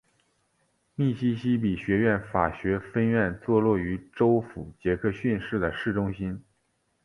密西西比学院法学分院坐落于州府杰克逊市的市中心。